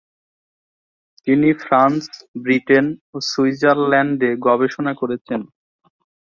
তিনি France, Britain ও সুইজারল্যান্ডে গবেষণা করেছেন।